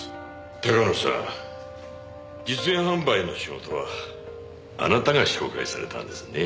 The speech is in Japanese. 高野さん実演販売の仕事はあなたが紹介されたんですね？